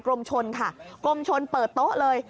ชนค่ะกรมชนเปิดโต๊ะเลย